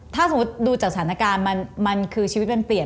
ถ้าสมมุติดูจากสถานการณ์มันคือชีวิตมันเปลี่ยน